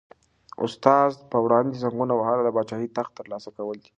د استاد په وړاندې زنګون وهل د پاچاهۍ د تخت تر لاسه کول دي.